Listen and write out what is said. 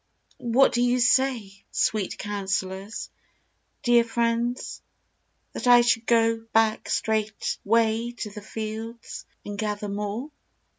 What do you say, Sweet counsellors, dear friends ?— that I should go Back straightway to the fields, and gather more